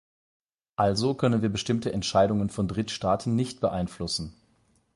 Also können wir bestimmte Entscheidungen von Drittstaaten nicht beeinflussen.